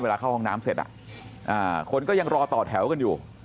เข้าห้องน้ำเสร็จคนก็ยังรอต่อแถวกันอยู่